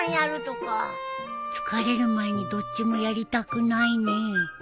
疲れる前にどっちもやりたくないね。